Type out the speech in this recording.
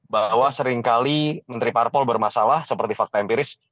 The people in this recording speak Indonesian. bahwa seringkali menteri parpol bermasalah seperti fakta empiris